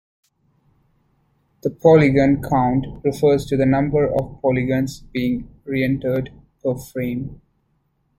The "polygon count" refers to the number of polygons being rendered per frame.